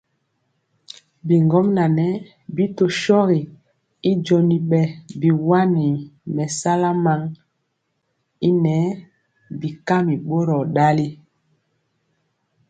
Bigɔmŋa ŋɛɛ bi tɔ shogi y joni bɛ biwani mɛsala man y nɛɛ bɛkami boror ndali.